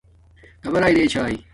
کبݺ رݵ چھݳئݺ؟